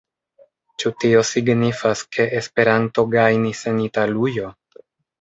Ĉu tio signifas, ke Esperanto gajnis en Italujo?